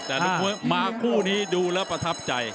แต่มาคู่นี้ดูแล้วประทับใจ